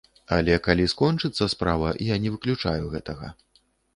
Але калі скончыцца справа, я не выключаю гэтага.